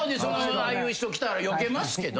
ああいう人来たらよけますけど。